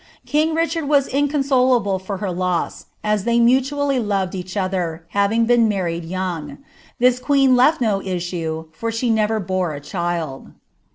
Ktag RiehMd was inconsolable for her loss, as they mutually loved each other, kwii^ been married young. This queen \eti no issue, for she nvvcr bona child."